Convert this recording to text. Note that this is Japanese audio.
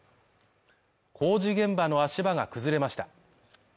工事現場の足場が崩れました。